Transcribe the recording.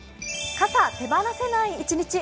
傘、手放せない一日。